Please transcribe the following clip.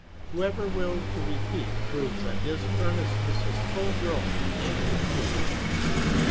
Whoever wills to repeat, proves that his earnestness is full grown and mature."